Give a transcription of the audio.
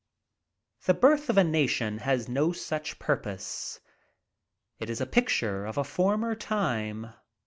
"The Birth of a Nation" has no such purpose. It is a picture of a former time.